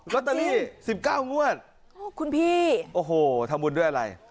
ลอตเตอรี่๑๙งวดคุณพี่โอ้โหทำบุญด้วยอะไร